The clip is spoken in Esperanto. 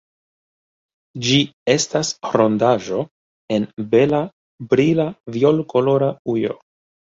Ĝi estas rondaĵo en bela brila violkolora ujo.